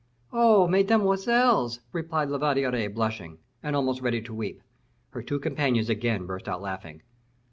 "Oh! mesdemoiselles," replied La Valliere, blushing, and almost ready to weep. Her two companions again burst out laughing.